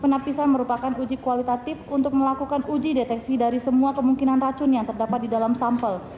penapisan merupakan uji kualitatif untuk melakukan uji deteksi dari semua kemungkinan racun yang terdapat di dalam sampel